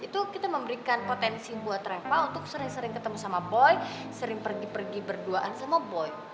itu kita memberikan potensi buat reva untuk sering sering ketemu sama boy sering pergi pergi berduaan sama boy